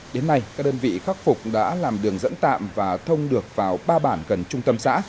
đến nay các đơn vị khắc phục đã làm đường dẫn tạm và thông được vào ba bản gần trung tâm xã